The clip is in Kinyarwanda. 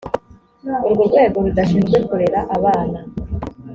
urwo rwego rudashinzwe kurera abana